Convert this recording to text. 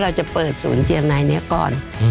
เราจะเปิดศูนย์เตรียมนายนี้ก่อน